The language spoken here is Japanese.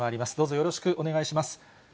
よろしくお願いします。